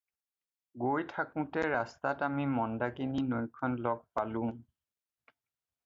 গৈ থাকোঁতে ৰাস্তাত আমি মন্দাকিনী নৈখন লগ পালোঁ।